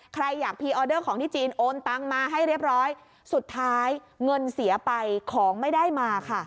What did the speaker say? ใครอยากพรีออเดอร์ของที่จีนโอนตังมาให้เรียบร้อยสุดท้ายเงินเสียไปของไม่ได้มาค่ะ